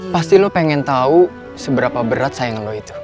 pasti lo pengen tahu seberapa berat sayang lo itu